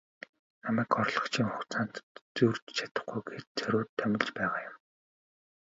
Намайг орлогчийн хугацаанд зөрж чадахгүй гээд зориуд томилж байгаа юм.